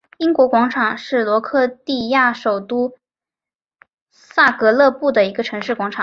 英国广场是克罗地亚首都萨格勒布的一个城市广场。